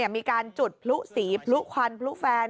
มีการจุดพลุสีพลุควันพลุแฟน